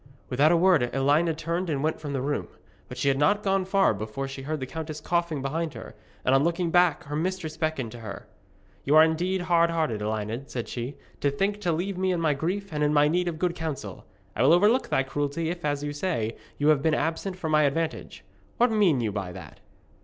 Without a word Elined turned and went from the room. But she had not gone far before she heard the countess coughing behind her, and on looking back her mistress beckoned to her. 'You are indeed hardhearted, Elined,' said she, 'to think to leave me in my grief, and in my need of good counsel. I will overlook thy cruelty if, as you say, you have been absent for my advantage. What mean you by that?'